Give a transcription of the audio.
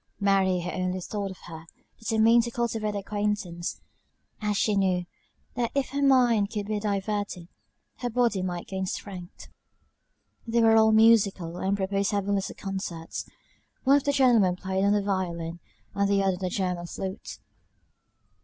Mary, who only thought of her, determined to cultivate their acquaintance, as she knew, that if her mind could be diverted, her body might gain strength. They were all musical, and proposed having little concerts. One of the gentlemen played on the violin, and the other on the german flute.